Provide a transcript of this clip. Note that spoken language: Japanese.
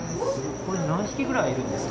何匹くらいいるんですか？